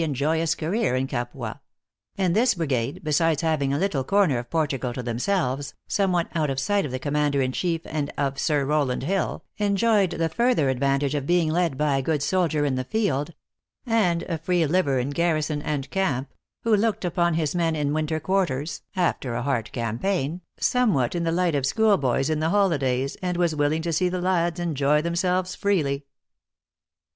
19 and joyous career in Capua ; and this brigade, besides having a little corner of Portugal to themselves, some what out of sight of the Commander in chief and of Sir Rowland Hill, enjoyed the further advantage of being led by a good soldier in the field, and a free liver in garrison and camp, w r ho looked upon his men in winter quarters, after a hard campaign, sornew T hat in the light of school boys in the holidays, and was willing to see the lads enjoy themselves freely.